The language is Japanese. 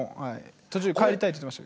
途中で帰りたいって言ってました。